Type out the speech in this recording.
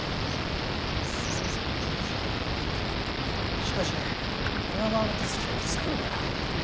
しかし今川の助けはいつ来るかや。